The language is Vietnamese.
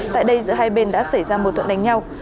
tại đây giữa hai bên đã xảy ra một thuận đánh nhau